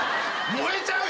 燃えちゃうよ